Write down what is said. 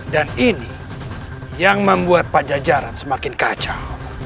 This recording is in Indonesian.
ini yang membuat pajajaran semakin kacau